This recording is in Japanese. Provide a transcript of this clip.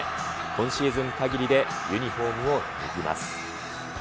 今シーズンかぎりでユニホームを脱ぎます。